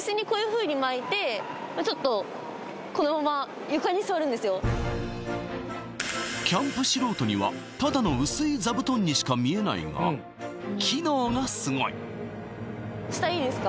これあのキャンプ素人にはただの薄い座布団にしか見えないが機能がすごい下いいですか？